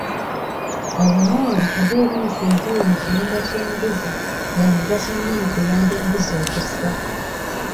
Obumooli oba ebiyisa empewo mu kiyumba ky'embuzi bya mugaso nnyo mu kuyamba embuzi okussa.